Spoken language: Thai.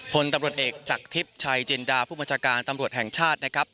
พลตำรวจเอกจากทิพย์ชัยจินดาผู้บัญชาการตำรวจแห่งชาตินะครับ